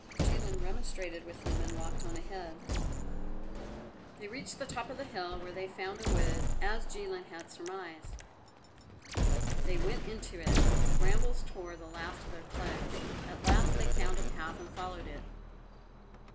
Jilin remonstrated with him and walked on ahead. They reached the top of the hill, where they found a wood, as Jilin had surmised. They went into it. The brambles tore the last of their clothes. At last they found a path and followed it.